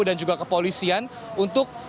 dan juga kepolisian untuk